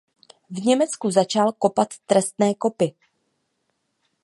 V Německu začal kopat trestné kopy.